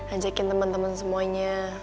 ajakin temen temen semuanya